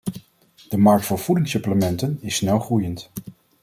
De markt voor voedingssupplementen is snelgroeiend.